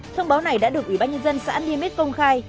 thông báo này đã được ủy ban nhân dân xã niêm mít công khai